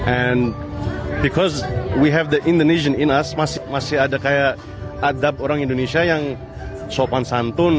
and ticus we have the indonesian in us masih ada kayak adab orang indonesia yang sopan santun